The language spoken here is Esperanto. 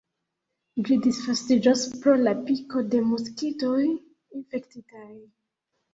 Ĝi disvastiĝas pro la piko de moskitoj infektitaj.